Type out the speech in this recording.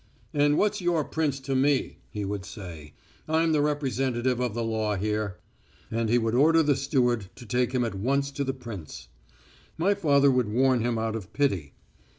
"And what's your prince to me?" he would say. "I'm the representative of the law here." And he would order the steward to take him at once to the prince. My father would warn him out of pity.